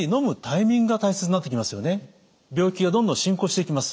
病気がどんどん進行していきます。